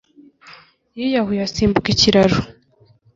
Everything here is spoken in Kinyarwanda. yiyahuye asimbuka ikiraro.